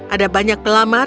ada banyak pelamar